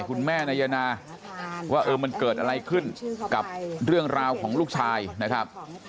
คุณแม่นายนาว่าเออมันเกิดอะไรขึ้นกับเรื่องราวของลูกชายนะครับ